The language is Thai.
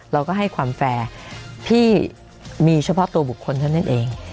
เราก็ให้ความแฟร์พี่มีเฉพาะตัวบุคคลเท่านั้นเอง